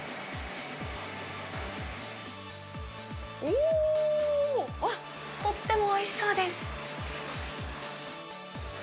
おー、あっ、とってもおいしそうです。